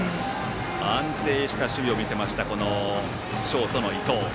安定した守備を見せたショートの伊藤。